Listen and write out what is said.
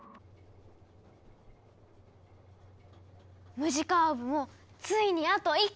ムジカオーブもついにあと１個。